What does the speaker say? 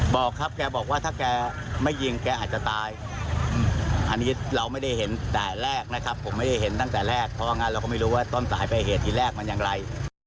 บอกครับแกบอกว่าถ้าแกไม่ยิงแกอาจจะตายอันนี้เราไม่ได้เห็นแต่แรกนะครับผมไม่ได้เห็นตั้งแต่แรกเพราะว่างั้นเราก็ไม่รู้ว่าต้นสายไปเหตุที่แรกมันอย่างไร